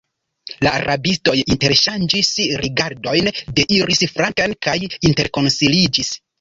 La rabistoj interŝanĝis rigardojn, deiris flanken kaj interkonsiliĝis.